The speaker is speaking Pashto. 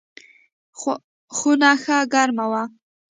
خونه ښه ګرمه وه.